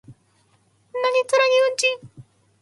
泣きっ面に蜂